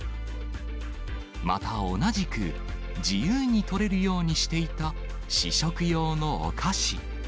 また同じく、自由に取れるようにしていた試食用のお菓子。